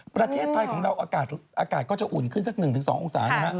ประเทศไทยของเราอากาศก็จะอุ่นขึ้นสัก๑๒องศานะฮะ